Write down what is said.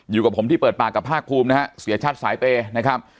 อยู่กับผมที่เปิดปากกับภาคภูมินะฮะเสียชัดสายเปย์นะครับ